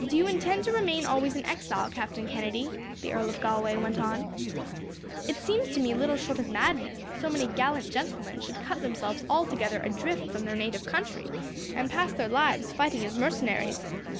"Do you intend to remain always an exile, Captain Kennedy?" the Earl of Galway went on. "It seems to me little short of madness that so many gallant gentlemen should cut themselves altogether adrift from their native country, and pass their lives fighting as mercenaries.